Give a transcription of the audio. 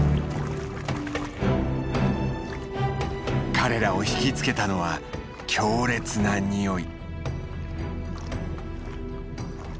彼らを引き付けたのは強烈なにおい。